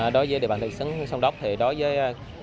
đối với địa bàn lịch sử sông đốc thì đối với